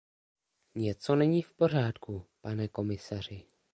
Něco není v pořádku, pane komisaři.